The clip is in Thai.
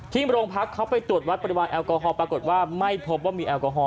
โรงพักเขาไปตรวจวัดปริมาณแอลกอฮอลปรากฏว่าไม่พบว่ามีแอลกอฮอล